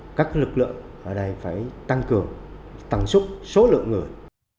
trong khi các lực lượng ở đây phải tăng cường tăng súc số lượng người